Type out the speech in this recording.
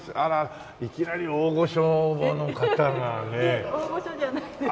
いえ大御所じゃないです。